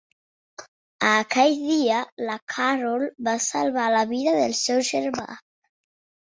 Aquella dia, la Carol va salvar la vida del seu germà.